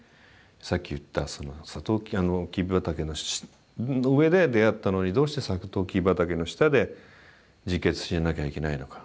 さっき言ったサトウキビ畑の上で出会ったのにどうしてサトウキビ畑の下で自決しなきゃいけないのか